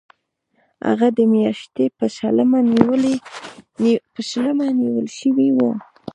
هغه د می میاشتې په شلمه نیول شوی و.